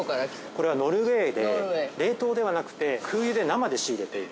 ◆これはノルウェーで冷凍ではなくて、空輸で生で仕入れている。